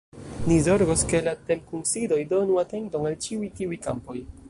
Ni zorgos, ke la temkunsidoj donu atenton al ĉiuj tiuj kampoj.